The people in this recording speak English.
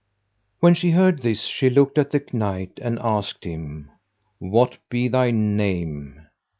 When she heard this, she looked at the Knight and asked him, "What be thy name?"